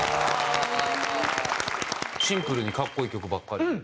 シンプルに格好いい曲ばっかりで。